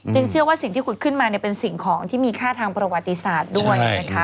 เชื่อว่าสิ่งที่ขุดขึ้นมาเป็นสิ่งของที่มีค่าทางประวัติศาสตร์ด้วยนะคะ